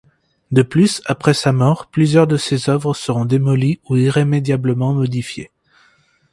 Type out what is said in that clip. De plus, après sa mort, plusieurs de ses œuvres seront démolies ou irrémédiablement modifiées.